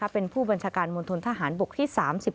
เป็นผู้บัญชาการมณฑนทหารบกที่๓๑